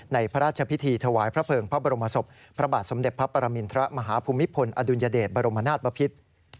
พระราชพิธีถวายพระเภิงพระบรมศพพระบาทสมเด็จพระปรมินทรมาฮภูมิพลอดุลยเดชบรมนาศบพิษ